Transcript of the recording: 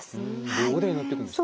両腕に塗っていくんですね。